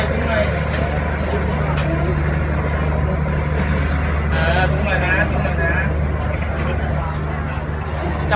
ขอบคุณค่ะ